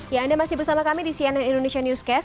ya anda masih bersama kami di cnn indonesia newscast